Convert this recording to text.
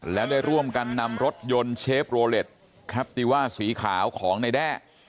และได้ร่วมกันนำรถยนต์เชฟโรเล็ตแคปติว่าสีขาวของนายแด้